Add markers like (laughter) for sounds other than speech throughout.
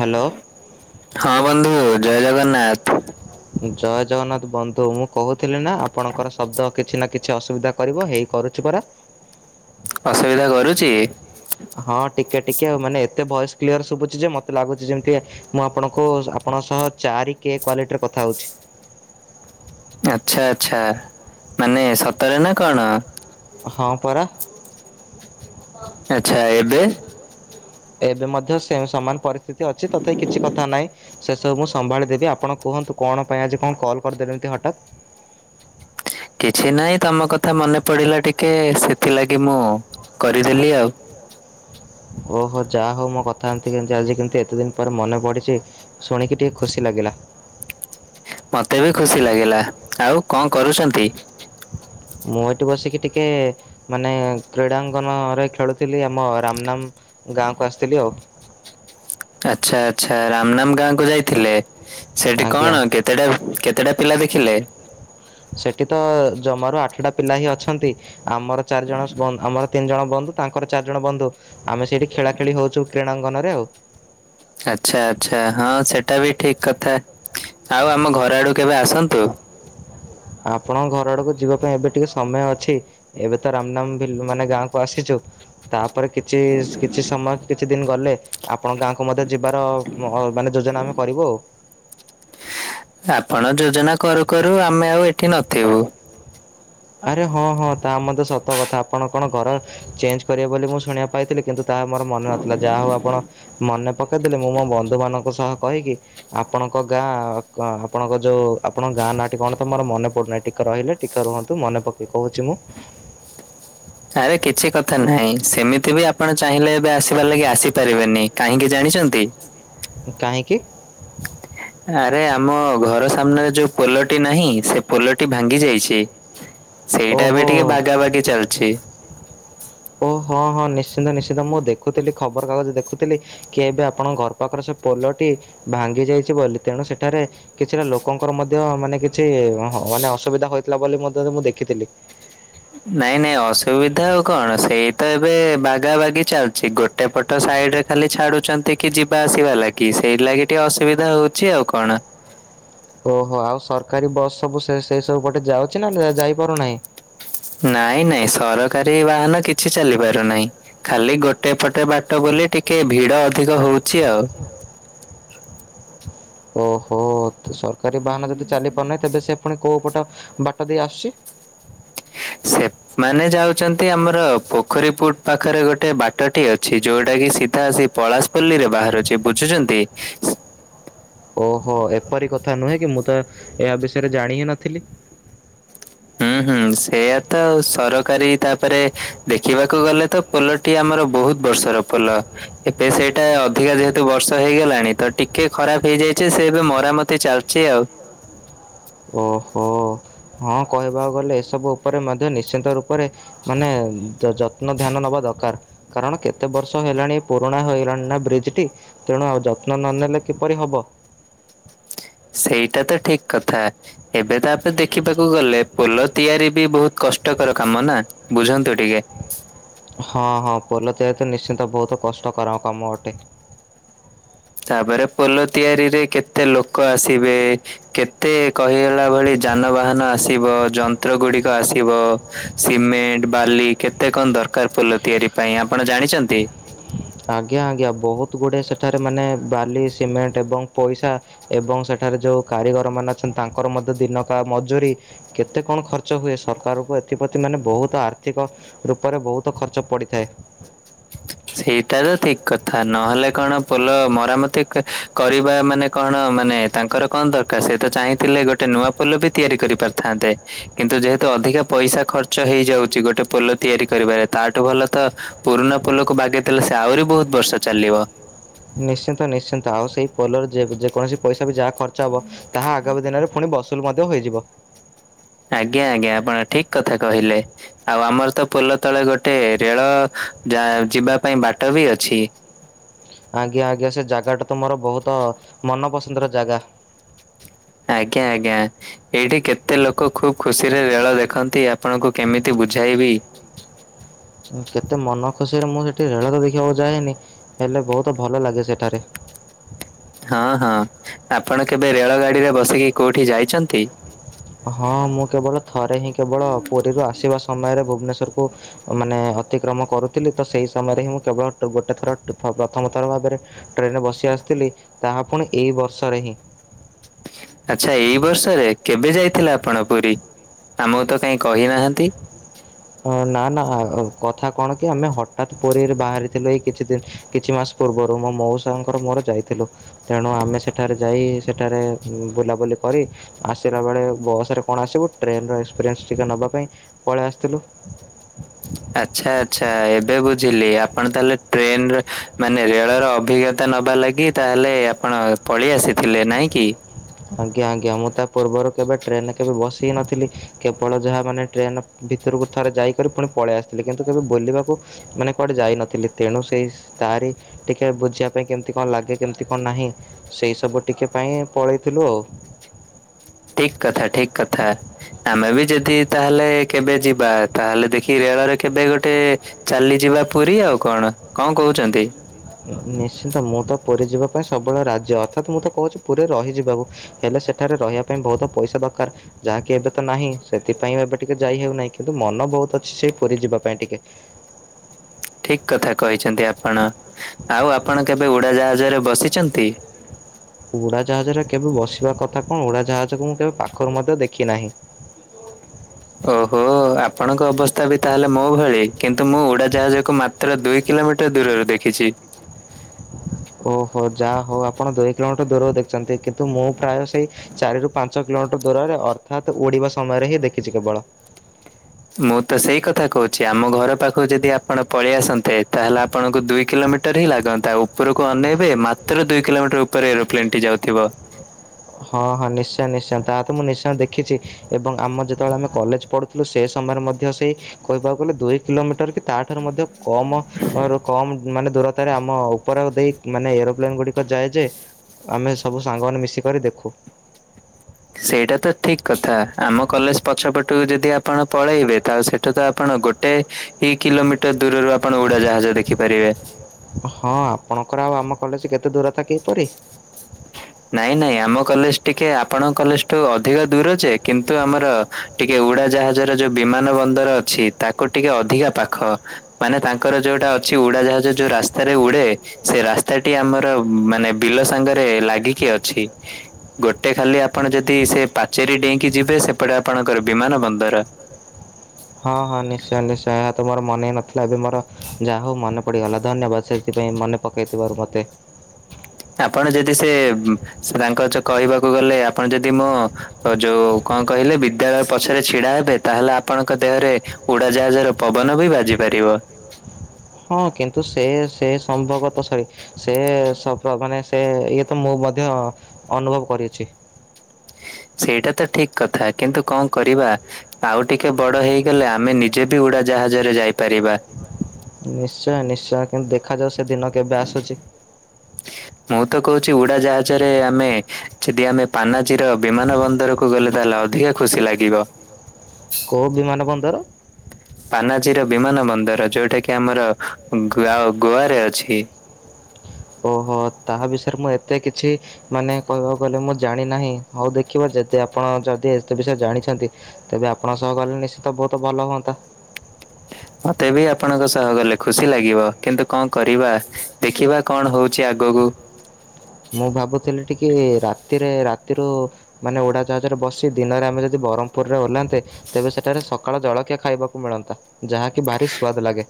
Hello. ହଁ ବନ୍ଧୁ ଜୟ ଜଗନ୍ନାଥ। ଜୟ ଜଗନ୍ନାଥ ବନ୍ଧୁ। ମୁଁ କହୁଥିଲି ନା ଆପଣଙ୍କର ଶବ୍ଦ କିଛି ନା କିଛି ଅସୁବିଧା କରିବ ହେଇ କରୁଛି ପରା। ଅ ସେଇଟା କରୁଛି? ହଁ ଟିକେ ଟିକେ ଆଉ ମାନେ ଏତେ ଭଏସ୍ କ୍ଲିୟର ଶୁଭୁଚି ଯେ ମୋତେ ଲାଗୁଚି ଯେମିତି। ମୁଁ ଆପଣଙ୍କୁ ଆପଣଙ୍କ ସହ ଚାରି କେ କ୍ଵାଲିଟିରେ କଥା ହଉଚି। ଆଚ୍ଛା ଆଚ୍ଛା ମାନେ ସତରେ ନା କଣ? ହଁ ପରା। ଆଚ୍ଛା ଏବେ ଏବେ ମଧ୍ୟ ସେମ୍ ସମାନ ପରିସ୍ଥିତି ଅଛି ତଥାପି କିଛି କଥା ନାଇଁ ସେସବୁ ମୁଁ ସମ୍ଭାଳି ଦେବି ଆପଣ କୁହନ୍ତୁ କଣ ପାଇଁ ଆଜି କଣ କଲ୍ କରିଦେଲେ ଏମିତି ହଠାତ୍? କିଛି ନାଇଁ ତମ କଥା ମନେ ପଡ଼ିଲା ଟିକେ ସେଥିଲାଗି ମୁଁ କରିଦେଲି ଆଉ। ଓହୋ ଯାହା ହଉ ମୋ କଥା ଏମତି କେଏତି ଆଜି କେମତି ଏତେ ଦିନ ପରେ ମନେ ପଡ଼ିଚି ଶୁଣିକି ଟିକେ ଖୁସି ଲାଗିଲା। ମତେ ବି ଖୁସି ଲାଗିଲା ଆଉ କଣ କରୁଛନ୍ତି? ମୁଁ ଏଠି ବସିକି ଟିକେ ମାନେ କ୍ରୀଡ଼ାଙ୍ଗନରେ ଖେଳୁଥିଲି ଆମ ରାମନାମ୍ ଗାଁକୁ ଆସିଥିଲି ଆଉ। ଆଚ୍ଛା ଆଚ୍ଛା ରାମନାମ ଗାଁକୁ ଯାଇଥିଲେ ସେଠି ଆଜ୍ଞା। କଣ କେତ ତେଟା କେତେଟା ପିଲା ଦେଖିଲେ? ସେଠି ତ ଜମାରୁ ଆଠଟା ପିଲା ହିଁ ଅଛନ୍ତି ଆମର ଚାରି ଜଣ ଶ୍ବନ୍ ଆମର ତିନି ଜଣ ବନ୍ଧୁ ତାଙ୍କର ଚାରି ଜଣ ବନ୍ଧୁ ଆମେ ସେଇଠି ଖେଳାଖେଳି ହଉଚୁ କ୍ରୀଡ଼ାଙ୍ଗନରେ ଆଉ। ଆଚ୍ଛା ଆଚ୍ଛା ହଁ ସେଟା ବି ଠିକ୍ କଥା। ଆଉ ଆମ ଘର ଆଡ଼ୁକୁ କେବେ ଆସନ୍ତୁ? ଆପଣଙ୍କ ଘର ଆଡ଼କୁ ଯିବା ପାଇଁ ଏବେ ଟିକେ ସମୟ ଅଛି ଏବେ ତ ରାମନାମ୍ ବିଲ୍ ମାନେ ଗାଁକୁ ଆସିଛୁ। ତାପରେ କିଛି ସ କିଛି ସମୟ କି କିଛି ଦିନ ଗଲେ ଆପଣଙ୍କ ଗାଁକୁ ମଧ୍ୟ ଯିବାର ଅ ମାନେ ଯୋଜନା ଆମେ କରିବୁ ଆଉ। ଆପଣ ଯୋଜନା କରୁ କରୁ ଆମେ ଆଉ ଏଠି ନଥିବୁ। ଆରେ ହଁ ହଁ ତା ମଧ୍ୟ ସତ କଥା ଆପଣ କଣ ଘର ଚେଞ୍ଜ କରିବେ ବୋଲି ମୁଁ ଶୁଣିବାକୁ ପାଇଥିଲି କିନ୍ତୁ ତାହା ମୋର ମନେ ନଥିଲା ଯାହା ହଉ ଆପଣ ମନେ ପକେଇଦେଲେ ମୁଁ ମୋ ବନ୍ଧୁ ମାନଙ୍କ ସହ କହିକି ଆପଣଙ୍କ ଗାଁ କ ଆପଣଙ୍କ ଯୋଉ ଆପଣଙ୍କ ଗାଁ ନାଁଟି କଣ ତ ମୋର ମନେ ପଡ଼ୁନି ଟିକେ ରହିଲେ ଟିକେ ରୁହ ତୁ ମନେ ପକେଇ କହୁଚି ମୁଁ। ଆରେ କିଛି କଥା ନାହିଁ ସେମିତି ବି ଆପଣ ଚାହିଁଲେ ଏବେ ଆସିବାର ଲାଗି ଆସିପାରିବେନି କାହିଁକି ଜାଣିଛନ୍ତି? କାହିଁକି? ଆରେ ଆମ ଘର ସାମ୍ନାରେ ଯୋଉ ପୋଲଟି ନାହିଁ ସେ ପୋଲଟି ଭାଙ୍ଗି ଯାଇଛି। ସେଇଟା ବି ଓହୋ ଟିକେ ବାଗା ବାଗି ଚାଲଛି ଓହଁ ହଁ ନିଶ୍ଚିନ୍ତ ନିଶ୍ଚିନ୍ତ ମୁଁ ଦେଖୁଥିଲି ଖବରକାଗଜ ଦେଖୁଥିଲି କି ଏବେ ଆପଣଙ୍କ ଘର ପାଖର ସେ ପୋଲଟି ଭାଙ୍ଗି ଯାଇଛି ବୋଲି ତେଣୁ ସେଠାରେ କିଛିଟା ଲୋକଙ୍କର ମଧ୍ୟ ମାନେ କିଛି ହ ମାନେ ଅସୁବିଧା ହୋଇଥିଲା ବୋଲି ମଧ୍ୟ ମୁଁ ଦେଖିଥିଲି। ନାଇଁ ନାଇଁ ଅସୁବିଧା ଆଉ କଣ ସେଇ ତ ଏବେ ବାଗା ବାଗି ଚାଲିଛି ଗୋ ଗୋଟେ ପଟ ସାଇଡ଼ ରେ ଖାଲି ଛାଡ଼ୁଛନ୍ତି କି ଯିବା ଆସିବା ଲାଗି ସେଇ ଲାଗି ଟିକେ ଅସୁବିଧା ହଉଛି ଆଉ କଣ। ଓହୋ ଆଉ ସରକାରୀ ବସ୍ ସବୁ ସେ ସେ ସବୁ ପଟେ ଯାଉଛି ନା ଯାଇପାରୁନାହିଁ? ନାଇଁ ନାଇଁ ସରକାରୀ ବାହାନ କିଛି ଚାଲି ପାରୁନାହିଁ। ଖାଲି ଗୋଟେ ପଟେ ବାଟ ବୋଲି ଟିକେ ଭିଡ଼ ଅଧିକ ହଉଛି ଆଉ। ଓହୋ ସରକାରୀ ବାହାନ ଯଦି ଚାଲି ପାରୁନାହିଁ ତେବେ ସେ ପୁଣି କୋଉ ପଟ ବାଟ ଦେଇ ଆସୁଛି। ସେଫ୍ ମାନେ ଯାଉଛନ୍ତି ଆମର ପୋଖରୀ ପୁଟ ପାଖରେ ଗୋଟେ ବାଟଟି ଅଛି ଯୋଉଟା କି ସିଧା ସେ ପଳାସ ପଲି ରେ ବାହାରୁଛି ବୁଝୁଛନ୍ତି? ଓହୋ ଏପରି କଥା ନୁହେଁ କି ମୁଁ ତ ଏହା ବିଷୟରେ ଜାଣି ହିଁ ନଥିଲି। ହୁଁ ହୁଁ ସେଇଆା ତ ସରକାରୀ ତାପରେ ଦେଖିବାକୁ ଗଲେ ତ ପୋଲ ଟି ଆମର ବହୁତ ବର୍ଷର ପୋଲ ଏବେ ସେଇଟା ଅଧିକା ଯେହେ ତୁ ବର୍ଷ ହେଇଗଲାଣି ତ ଟିକେ ଖରାପ ହେଇଯାଇଛି ସେ ଏବେ ମରାମତି ଚାଲିଛି ଆଉ। ଓହୋ ହଁ କହିବାକୁ ଗଲେ ଏସବୁ ଉପରେ ମଧ୍ୟ ନିଶ୍ଚିନ୍ତ ରୂପରେ ମାନେ ଯତ୍ନ ଧ୍ୟାନ ନବା ଦରକାର। କାରଣ କେତେ ବର୍ଷ ହେଲାଣି ପୁରୁଣା ହେଇଗଲାଣି ନା ବ୍ରିଜ ଟି। ତେଣୁ ଆଉ ଯତ୍ନ ନନେଲେ କିପରି ହବ। ସେଇଟା ତ ଠିକ କଥା ଏବେ ତାପରେ ଦେଖିବାକୁ ଗଲେ ପୋଲ ତିଆରି ବି ବହୁତ କଷ୍ଟକର କାମ ନା ବୁଝନ୍ତୁ ଟିକେ। ହଁ ହଁ ପୋଲ ତିଆରି ତ ନିଶ୍ଚିନ୍ତ ବହୁତ କଷ୍ଟକର କାମ ଅଟେ। ତାପରେ ପୋଲ ତିଆରିରେ କେତେ ଲୋକ ଆସିବେ କେତେ କହିଗଲା ଭଳି ଯାନବାହାନ ଆସିବ ଯନ୍ତ୍ରଗୁଡ଼ିକ ଆସିବ। ସିମେଣ୍ଟ ବାଲି କେତେ କଣ ଦରକାର ଫୁଲ ତିଆରି ପାଇଁ ଆପଣ ଜାଣିଛନ୍ତି। ଆଜ୍ଞା ଆଜ୍ଞା ବହୁତ ଗୁଡେ ସେଠାରେ ମାନେ ବାଲି ସିମେଣ୍ଟ ଏବଂ ପଇସା ଏବଂ ସେଠାରେ ଯୋଉ କାରିଗର ମାନେ ଅଛନ୍ତି ତାଙ୍କର ମଧ୍ୟ ଦିନକା ମଜୁରୀ। କେତେ କଣ ଖର୍ଚ୍ଚ ହୁଏ ସରକାରଙ୍କୁ ଏଥିପ୍ରତି ମାନେ ବହୁତ ଆର୍ଥିକ ରୂପରେ ବହୁତ ଖର୍ଚ୍ଚ ପଡ଼ିଥାଏ। ସେଇଟା ତ ଠିକ କଥା ନହେଲେ କଣ ପୋଲ ମରାମତି କ କରିବା ମାନେ। କଣ ମାନେ ତାଙ୍କର କଣ ଦରକାର ସେ ତ ଚାହିଁଥିଲେ ଗୋଟେ ନୂଆ ପୋଲ ବି ତିଆରି କରିପାରିଥାନ୍ତେ। କିନ୍ତୁ ଯେହେତୁ ଅଧିକା ପଇସା ଖର୍ଚ୍ଚ ହେଇଯାଉଛି ଗୋଟେ ପୋଲ ତିଆରି କରିବାରେ ତାଠୁ ଭଲ ତ ପୁରୁଣା ପୁଲକୁ ବାଗେଇଥିଲେ ସେ ଆହୁରି ବହୁତ ବର୍ଷ ଚାଲିବ। ନିଶ୍ଚିନ୍ତ ନିଶ୍ଚିନ୍ତ ଆଉ ସେଇ ପୋଲର ଯେକ ଯେକୌଣସି ପଇସା ବି ଯାହା। ଖର୍ଚ୍ଚ ହବ ତାହା ଆଗାମୀ ଦିନରେ ପୁଣି ବସୁଲ ମଧ୍ୟ ହେଇଯିବ। ଆଜ୍ଞା ଆଜ୍ଞା ଆପଣ ଠିକ କଥା କହିଲେ। ଆଉ ଆମର ତ ପୋଲ ତଳେ ଗୋଟେ ରେଳ ଯା ଯିବା ପାଇଁ ବାଟ ବି ଅଛି। ଆଜ୍ଞା ଆଜ୍ଞା ସେ ଜାଗାଟା ତ ମୋର ବହୁତ ମନପସନ୍ଦର ଜାଗା। ଆଜ୍ଞା ଆଜ୍ଞା। ଏଇଠି କେତେ ଲୋକ ଖୁବ ଖୁସିରେ ରେଳ ଦେଖନ୍ତି ଆପଣଙ୍କୁ କେମିତି ବୁଝାଇବି। କେତେ ମନ ଖୁସିରେ ମୁଁ ସେଠି ରେଳ ତ ଦେଖିବାକୁ ଯାଏନି ହେଲେ ବହୁତ ଭଲ ଲାଗେ ସେଠାରେ। ହଁ ହଁ ଆପଣ କେବେ ରେଳ ଗାଡିରେ ବସିକି କୋଉଠି ଯାଇଛନ୍ତି। ହଁ ମୁଁ କେବଳ ଥରେ ହିଁ କେବଳ ପୁରୀରୁ ଆସିବା ସମୟରେ ଭୁବନେଶ୍ୱରକୁ ମାନେ ଅତିକ୍ରମ କରୁଥିଲି ତ ସେଇ ସମୟରେ ହିଁ ମୁଁ କେବଳ ଗୋଟେ ଥର ପ୍ରଥମ ଥର ଭାବରେ ଟ୍ରେନରେ ବସି ଆସିଥିଲି ତାହା ପୁଣି ଏଇ ବର୍ଷରେ ହିଁ। ଆଚ୍ଛା ଏଇ ବର୍ଷରେ କେବେ ଯାଇଥିଲା ଆପଣ ପୁରୀ ଆମକୁ ତ କାହିଁ କହିନାହାନ୍ତି। ନା ନା କଥା କଣ କି ଆମେ ହଠାତ୍ ପୁରୀରୁ ବାହାରିଥିଲୁ ଏଇ କିଛି ଦିନ କିଛି ମାସ ପୂର୍ବରୁ ମୋ ମଉସାଙ୍କର ମୋର ଯାଇଥିଲୁ। ତେଣୁ ଆମେ ସେଠାରେ ଯାଇ ସେଠାରେ ବୁଲାବୁଲି କରି ଆସିଲା ବେଳେ ବସରେ କଣ ଆସିବୁ ଟ୍ରେନ୍ ଏକ୍ସପିରିଏନ୍ସ ଟିକଏ ନେବା ପାଇଁ ପଳେଇ ଆସିଥିଲୁ। (inaudible) ଆଚ୍ଛା ଆଚ୍ଛା ଏବେ ବୁଝିଲି ଆପଣ ତାହେଲେ ଟ୍ରେନ ମାନେ ରେଳ ର ଅଭିଜ୍ଞତା ନବା ଲାଗି ତାହେଲେ ଆପଣ ପଳେଇ ଆସିଥିଲେ ନାଇଁ କି। ଆଜ୍ଞା ଆଜ୍ଞା ମୁଁ ତା ପୂର୍ବରୁ କେବେ ଟ୍ରେନରେ କେବେ ବସି ନଥିଲି। କେବଳ ଯାହା ମାନେ ଟ୍ରେନ ଭିତରକୁ ଥରେ ଯାଇକରି ପୁଣି ପଳେଇ ଆସିଥିଲେ କିନ୍ତୁ କେବେ ବୁଲିବାକୁ ମାନେ କୁଆଡେ ଯାଇନଥିଲି ତେଣୁ ସେଇସ ତାରି ଟିକେ ବୁଝିବା ପାଇଁ କେମିତି କଣ ଲାଗେ କେମିତି କଣ ନାହିଁ ସେଇ ସବୁ ଟିକେ ପାଇଁ ପଳେଇଥିଲୁ ଆଉ। ଠିକ କଥା ଠିକ କଥା। ଆମେ ବି ଯଦି ତାହେଲେ କେବେ ଯିବା ତାହେଲେ ଦେଖି ରେଳରେ କେବେ ଗୋଟେ ଚାଲିଯିବା ପୁରୀ ଆଉ କଣ କଣ କହୁଛନ୍ତି। ନିଶ୍ଚିନ୍ତ ମୁଁ ତ ପୁରୀ ଯିବା ପାଇଁ ସବୁବେଳେ ରାଜ୍ୟ ଅର୍ଥାତ ମୁଁ ତ କହୁଛି ପୁରୀ ରହିଯିବାକୁ। ହେଲେ ସେଠାରେ ରହିବା ପାଇଁ ବହୁତ ପଇସା ଦରକାର। ଯାହାକି ଏବେ ତ ନାହିଁ ସେଥିପାଇଁ ଏବେ ଟିକେ ଯାଇ ହେଉନାହିଁ କିନ୍ତୁ ମନ ବହୁତ ଅଛି ସେ ପୁରୀ ଯିବା ପାଇଁ ଟିକେ। ଠିକ କଥା କହିଛନ୍ତି ଆପଣ ଆଉ ଆପଣ କେବେ ଉଡ଼ାଜାହାଜରେ ବସିଛନ୍ତି। ଉଡ଼ାଜାହାଜରେ କେବେ ବସିବା କଥା କଣ ଉଡ଼ାଜାହାଜକୁ ମୁଁ କେବେ ପାଖରୁ ମଧ୍ୟ ଦେଖି ନାହିଁ। ଓହୋ ଆପଣଙ୍କ ଅବସ୍ଥା ବି ତାହେଲେ ମୋ ଭଳି କିନ୍ତୁ ମୁଁ ଉଡାଜାହାଜ କୁ ମାତ ତୋର ଦୁଇ କିଲୋମିଟର ଦୂରରୁ ଦେଖିଚି। ଓହୋ ଯାହୋଉ ଆପଣ ଦୁଇ କିଲୋମିଟର ଦୂରରୁ ଦେଖିଚନ୍ତି କିନ୍ତୁ ମୁଁ ପ୍ରାୟ ସେଇ ଚାରିରୁ ପାଞ୍ଚ କିଲୋମିଟର ଦୂରରେ ଅର୍ଥାତ ଉଡିବା ସମୟରେ ହିଁ ଦେଖିଚି କେବଳ। ମୁଁ ତ ସେଇ କଥା କୋହୁଚି ଆମ ଘର ପାଖକୁ ଯଦି ଆପଣ ପଳେଆସନ୍ତେ ତାହେଲେ ଆପଣଙ୍କୁ ଦୁଇ କିଲୋମିଟର ହିଁ ଲାଗନ୍ତା ଉ ଉପରକୁ ଅନେଇବେ ମାତ୍ର ଦୁଇ କିଲୋମିଟର ଉପରେ ଏରୋପ୍ଲେନଟି ଯାଉଥିବ। ହଁ ହଁ ନିଶ୍ଚୟ ନିଶ୍ଚୟ ତା ତ ମୁଁ ନିଶ୍ଚୟ ଦେଖିଚି ଏବଂ ଆମ ଯେତେବେଳେ ଆମେ କଲେଜ ପଢୁ ଥୁଲୁ ସେ ସମୟରେ ମଧ୍ୟ ସେଇ କହିବାକୁ ଗଲେ ଦୁଇ କିଲୋମିଟର କି ତାଠାରୁ ମଧ୍ୟ କମ ହାରୁ କମ ମାନେ ଦୂର ତାରେ ଆମ ଉପର ଦେଇ ମାନେ ଏରୋପ୍ଲେନ୍ ଗୁଡିକ ଯାଏ ଯେ ଆମେ ସବୁ ସାଙ୍ଗମାନେ ମିଶିକରି ଦେ ଖୁ। ସେଇଟା ତ ଠିକ କଥା ଆମ କଲେଜ ପଛପଟକୁ ଯଦି ଆପଣ ପଳେଇବେ ତାଲେ ସେଠୁ ତ ଆପଣ ଗୋ ଟେ ହି କିଲୋମିଟର ଦୂରରୁ ଆପଣ ଉଡାଜାହାଜ ଦେଖିପାରିବେ। ହଁ ଆପଣଙ୍କର ଆଉ ଆମ କଲେଜ କେତେ ଦୂରତା କି ଏପରି ନାଇଁ ନାଇଁ ଆମ କଲେଜ ଟିକେ ଆପଣଙ୍କ କଲେଜଠୁ ଅଧିକ ଦୂର ଯେ କିନ୍ତୁ ଆମର ଟିକେ ଉଡାଜାହାଜର ଯୋଉ ବିମାନବନ୍ଦର ଅଛି ତାକୁ ଟିକେ ଅଧିକା ପାଖ। ମାନେ ତାଙ୍କର ଯୋଉଟା ଅଛି ଉଡାଜାହାଜ ଯୋଉ ରାସ୍ତାରେ ଉଡେ ସେ ରାସ୍ତାଟି ଆମର ମାନେ ବିଲ ସାଙ୍ଗରେ ଲାଗିକି ଅଛି। ଗୋଟେ ଖାଲି ଆପଣ ଯଦି ସେ ପାଚେରୀ ଡେଇଁକି ଯିବେ ସେପଟେ ଆପଣଙ୍କର ବିମାନବନ୍ଦର ହଁ ହଁ ନିଶ୍ଚୟ ନିଶ୍ଚୟ ଏହା ତ ମୋର ମନେ ହିଁ ନଥିଲା ଏବେ ମୋର ଯାହୋଉ ମନେ ପଡିଗଲା ଧନ୍ୟବାଦ ସେଇଥିପାଇଁ ମନେ ପକେଇଥିବାରୁ ମତେ। ଆପଣ ଯଦି ସେ ଉଁ ସ୍ ତାଙ୍କ ଯ କହିବାକୁ ଗଲେ ଆପଣ ଯଦି ମୁଁ ତ ଯୋଉ କଣ କହିଲେ ବିଦ୍ୟାଳୟ ପଛରେ ଛିଡା ହେବେ ତାହେଲେ ଆପଣଙ୍କ ଦେହରେ ଉଡାଜାହାଜର ପବନ ବି ବାଜି ପାରିବ। ହଁ କିନ୍ତୁ ସେ ସେ ସମ୍ଭବତ ସଳି ସେ ସପ ମାନେ ସେ ଇଏ ତ ମୁଁ ମଧ୍ୟ ଅନୁଭବ କରିଅଛି। ସେଇଟା ତ ଠିକ କଥା କିନ୍ତୁ କଣ କରିବା ଆଉ ଟିକେ ବଡ ହେଇଗଲେ ଆମେ ନିଜେ ବି ଉଡାଜାହାଜରେ ଯାଇପାରିବା। ନିଶ୍ଚୟ ନିଶ୍ଚୟ କିନ୍ତୁ ଦେଖାଯାଉ ସେ ଦିନ କେବେ ଆସୁଚି। ମୁଁ ତ କୋହୁଚି ଉଡାଜାହାଜରେ ଆମେ ଯଦି ଆମେ ପାନାଜୀର ବିମାନ ବନ୍ଦର କୁ ଗଲେ ତାହେଲେ ଅଧିକା ଖୁସି ଲାଗିବ। କୋଉ ବିମାନ ବନ୍ଦର? ପାନାଜୀର ବିମାନ ବନ୍ଦର ଯୋଉଟା କିି ଆମର ଉଁ ଗୁଆ ଓ ଗୋଆରେ ଅଛି। ଓହୋ ତାହା ବିଷୟରେ ମୁଁ ଏତେ କିଛି ମାନେ କହିବାକୁ ଗଲେ ମୁଁ ଜାଣିନାହିଁ ହୋଉ ଦେଖିବା ଯଦି ଆପଣ ଯଦି ଏତେ ବିଷୟରେ ଜାଣିଛନ୍ତି ତେବେ ଆପଣଙ୍କ ସହ ଗଲେ ନିଶ୍ଚିତ ବୋହୁତ ଭଲ ହୁଅନ୍ତା। ମତେ ବି ଆପଣଙ୍କ ସହ ଗଲେ ଖୁସି ଲାଗିବ କିନ୍ତୁ କଣ କରିବା ଦେଖିବା କଣ ହୋଉଛି ଆଗକୁ। ମୁଁ ଭାବୁଥିଲି ଟିକିଏ ରାତିରେ ରାତିରୁ ମାନେ ଉଡ଼ାଜାହାଜରେ ବସି ଦିନରେ ଆମେ ଯଦି ବରହମପୁରରେ ଓଲହାନ୍ତେ ତେବେ ସେଠାରେ ସକାଳ ଜଳଖିଆ ଖାଇବାକୁ ମିଳନ୍ତା ଯାହାକି ଭାରି ସୁଆଦ ଲାଗେ।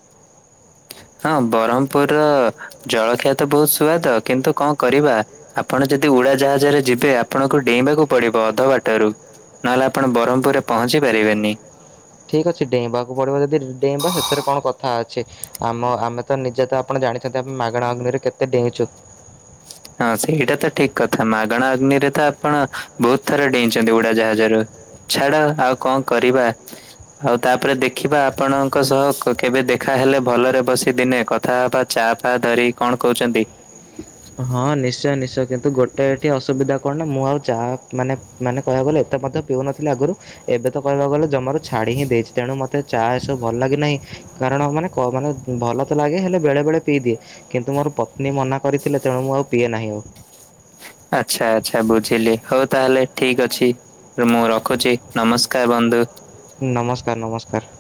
ହଁ ବରହମପୁରର ଜଳଖିଆ ତ ବୋହୁତ ସୁଆଦ କିନ୍ତୁ କଣ କରିବା ଆପଣ ଯଦି ଉଡା ଜାହାଜରେ ଯିବେ ଆପଣଙ୍କୁ ଡେଇଁବାକୁ ପଡିବ ଅଧା ବାଟରୁ ନହେଲେ ଆପଣ ବରହମପୁରରେ ପହଞ୍ଚି ପାରିବେନି। ଠିକ୍ ଅଛି ଡେଇଁବାକୁ ପଡ଼ିବ ଯଦି ଡେଇଁବା ସେଥିରେ କଣ କଥା ଅଛି ଆମ ଆମେ ତ ନିଜେ ତ ଆପଣ ଜାଣିଛନ୍ତି ଆମେ ମାଗଣା ଅଗ୍ନିରେ କେତେ ଡେଇଁଚୁ। ହଁ ସେଇଟା ତ ଠିକ କଥା ମାଗଣା ଅଗ୍ନିରେ ତ ଆପଣ ବୋହୁତ ଥର ଡେଇଁଛନ୍ତି ଉଡାଜାହାଜରୁ। ଛାଡ ଆଉ କଣ କରିବା। ହୋଉ ତାପରେ ଦେଖିବା ଆପଣଙ୍କ ସହ କ-କେବେ ଦେଖା ହେଲେ ଭଲରେ ବସି ଦିନେ କ କଥା ହବା ଚାଆ ଫାଆ ଧରିକି କଣ କହୁଚନ୍ତି? ହଁ ନିଶ୍ଚୟ ନିଶ୍ଚୟ କିନ୍ତୁ ଗୋଟେ ଏଠି ଅସୁବିଧା କଣ ନା ମୁଁ ଆଉ ଚାଆ ମାନେ ମାନେ କହିବାକୁ ଗଲେ ଏତେ ମଧ୍ୟ ପିଉନଥିଲେ ଆଗରୁ। ଏବେ ତ କହିବାକୁ ଗଲେ ଜମାରୁ ଛାଡି ହିଁ ଦେଇଛି ତେଣୁ ମତେ ଚା ଏସବୁ ଭଲ ଲାଗୁନାହିଁ। କାରଣ ମାନେ କ ମାନେ ଭଲ ତ ଲାଗେ ହେଲେ ବେଳେବେଳେ ପିଇଦିଏ କିନ୍ତୁ ମୋର ପତ୍ନୀ ମନା କରିଥିଲେ। ତେଣୁଁ ମୁଁ ଆଉ ପିଏ ନାହିଁ ଆଉ। ଆଚ୍ଛା ଆଚ୍ଛା ବୁଝିଲି ହଉ ତାହେଲେ ଠିକ ଅଛି। ମୁଁ ରଖୁଛି ନମସ୍କାର ବନ୍ଧୁ। ହୁଁ ନମସ୍କାର ନମସ୍କାର।